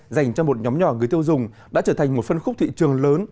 dành cho một nhóm nhỏ người tiêu dùng đã trở thành một phân khúc thị trường lớn